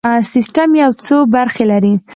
سیستم یو څو برخې لري.